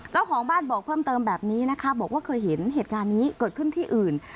เจ้าของบ้านบอกเพิ่มเติมแบบนี้นะคะบอกว่าเคยเห็นเหตุการณ์นี้เกิดขึ้นที่อื่น